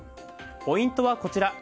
ポイントはこちら。